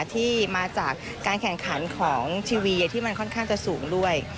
ที่มาจากการแข่งขันของทีวีที่มันค่อนข้างจะสูงด้วย